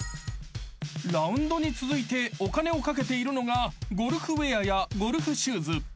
［ラウンドに続いてお金をかけているのがゴルフウエアやゴルフシューズ］